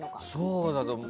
そうだと思う。